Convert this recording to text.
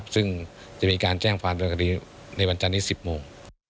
ซึ่งจะมีการแจ้งการลงทรัพย์การ์ดีในวันจันนี้๑๐โมง